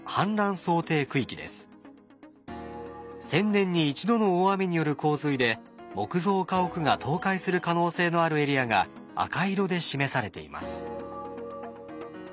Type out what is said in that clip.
１，０００年に１度の大雨による洪水で木造家屋が倒壊する可能性のあるエリアが赤色で示されています。